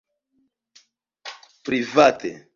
private